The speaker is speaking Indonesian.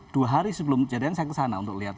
dua hari sebelum jadian saya ke sana untuk lihat